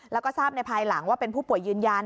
แล้วก็ทราบในภายหลังว่าเป็นผู้ป่วยยืนยัน